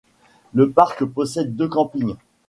Le parc possède deux campings.